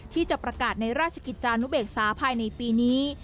ที่จะประกาศในราชกิจจานุเบกษาภายในปีนี้